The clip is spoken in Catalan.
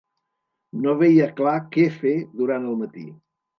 No veia clar què fer durant el matí.